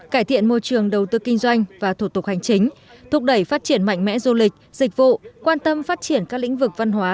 cải thiện môi trường đầu tư kinh doanh và thủ tục hành chính thúc đẩy phát triển mạnh mẽ du lịch dịch vụ quan tâm phát triển các lĩnh vực văn hóa